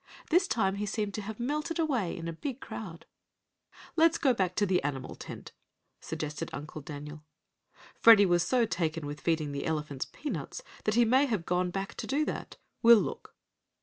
This time he seemed to have melted away in the big crowd. "Let's go back to the animal tent," suggested Uncle Daniel. "Freddie was so taken with feeding the elephants peanuts that he may have gone back to do that. We'll look."